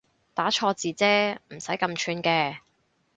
打錯字啫唔使咁串嘅